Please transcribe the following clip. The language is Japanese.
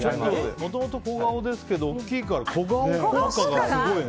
もともと小顔ですけど大きいから、小顔効果がすごいね。